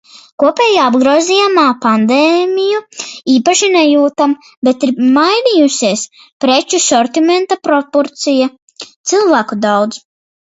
Kopējā apgrozījumā pandēmiju īpaši nejūtam, bet ir mainījusies preču sortimenta proporcija. Cilvēku daudz.